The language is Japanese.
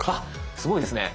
すごいですね。